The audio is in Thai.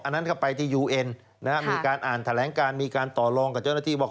อันนั้นก็ไปที่ยูเอ็นมีการอ่านแถลงการมีการต่อรองกับเจ้าหน้าที่ว่า